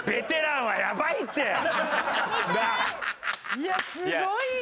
いやすごいわ！